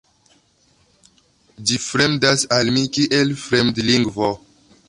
Ĝi fremdas al mi kiel fremdlingvo.